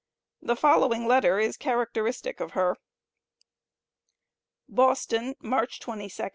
The following letter is characteristic of her: BOSTON, March 22, 1858.